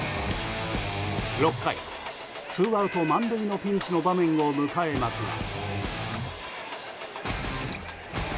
６回、ツーアウト満塁のピンチの場面を迎えますが。